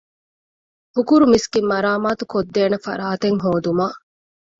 ހުކުރު މިސްކިތް މަރާމާތުކޮށްދޭނެ ފަރާތެއް ހޯދުމަށް